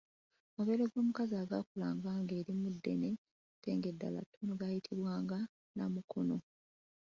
Amabeere g’omukazi agakula nga erimu ddene ate ng’eddala ttono gayitibwa ga Namukono.